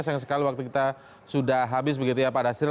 sayang sekali waktu kita sudah habis begitu ya pak dasril